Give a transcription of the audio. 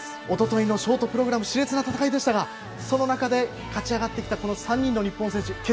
おとといのショートプログラム熾烈な戦いでしたがその中で勝ち上がってきたこの３人の日本人選手